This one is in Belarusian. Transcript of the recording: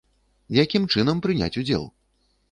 Якім чынам прыняць удзел?